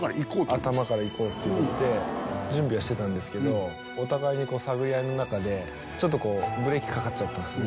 頭からいこうっていうので準備はしてたんですけどお互いにこう探り合いの中でちょっとこうブレーキかかっちゃったんですね